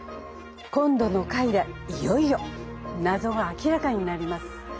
今度の回でいよいよ謎が明らかになります。